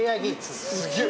すげえ！